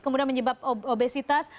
kemudian menyebabkan obesitas